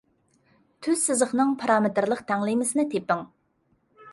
تۈز سىزىقنىڭ پارامېتىرلىق تەڭلىمىسىنى تېپىڭ.